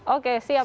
oke siap pak